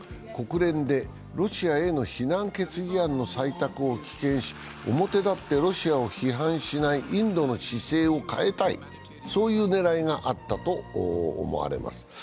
国連で、ロシアへの非難決議案への採択を棄権し表立ってロシアを批判しないインドの姿勢を変えたい、そういう狙いがあったと思われます。